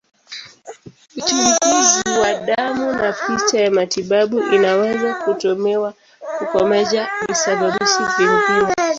Uchunguzi wa damu na picha ya matibabu inaweza kutumiwa kukomesha visababishi vingine.